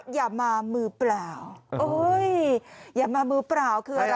อย่ามามือเปล่าโอ้ยอย่ามามือเปล่าคืออะไร